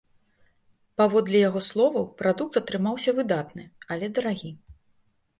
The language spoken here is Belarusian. Паводле яго словаў, прадукт атрымаўся выдатны, але дарагі.